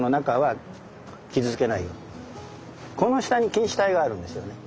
この下に菌糸体があるんですよね。